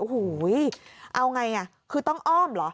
อโหยเอาง่ายคือต้องอ้อมหรอ